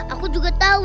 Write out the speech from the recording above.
aku juga tahu